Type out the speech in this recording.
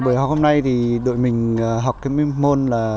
bởi học hôm nay thì đội mình học cái môn là